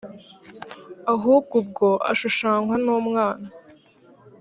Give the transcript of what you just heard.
ahubwo ubwo ashushanywa n umwana